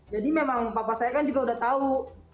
jadi memang papa saya kan juga udah tau